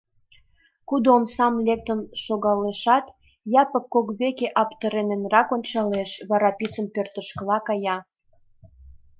Кудо омсам лектын шогалешат, Япык кок веке аптыраненрак ончалеш, вара писын пӧртышкыла кая.